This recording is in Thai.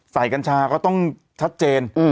กัญชาก็ต้องชัดเจน